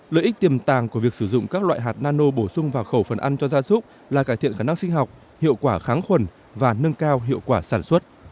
lợi ích tiềm tàng của việc sử dụng các loại hạt nano bổ sung vào khẩu phần ăn cho gia súc là cải thiện khả năng sinh học hiệu quả kháng khuẩn và nâng cao hiệu quả sản xuất